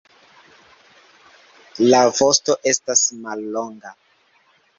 La vosto estas mallonga.